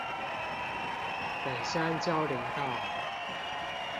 北山交流道